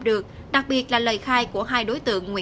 dưới giây sáng